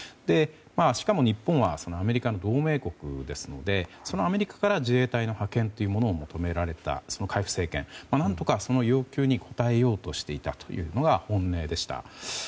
しかも日本はそのアメリカの同盟国ですのでそのアメリカから自衛隊の派遣というものを求められたその海部政権何とかその要求に応えようとしていたのが本音でした。